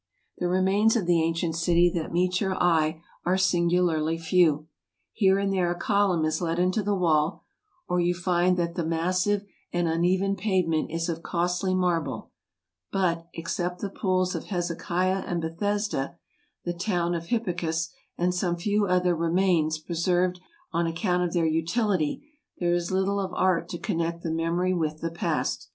The remains of the ancient city that meet your eye are singularly few; here and there a column is let into the wall, or you find that the massive and uneven pavement is of costly marble ; but, except the Pools of Hezekiah and Beth esda, the Tower of Hippicus, and some few other remains, preserved on account of their utility, there is little of art to connect the memory with the past.